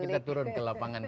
aku mau kita turun ke lapangan